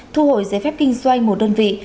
thu hồi giải phép kinh doanh một đơn vị